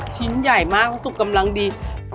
ชิ้นใหญ่มากสุกกำลังดี